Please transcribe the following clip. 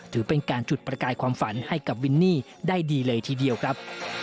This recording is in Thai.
ถือเป็นการจุดประกายความฝันให้กับวินนี่ได้ดีเลยทีเดียวครับ